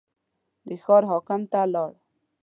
د ښار حاکم ته لاړ.